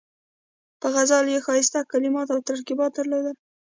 په غزل کې یې ښایسته کلمات او ترکیبات درلودل.